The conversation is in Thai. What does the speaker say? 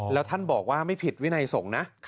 แล้วท่านบอกว่าไม่ผิดวินัยสงฆ์นะ